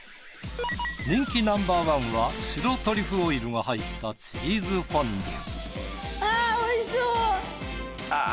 人気ナンバーワンは白トリュフオイルが入ったチーズフォンデュ。